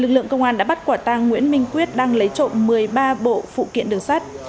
lực lượng công an đã bắt quả tang nguyễn minh quyết đang lấy trộm một mươi ba bộ phụ kiện đường sắt